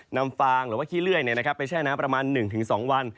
ฟางหรือว่าขี้เลื่อยไปแช่น้ำประมาณ๑๒วัน